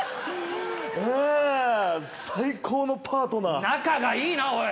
最高のパートナー仲がいいなおい！